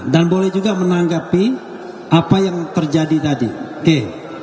dan menanggapi apa yang terjadi tadi landas